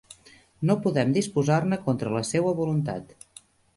No podem disposar-ne contra la seua voluntat;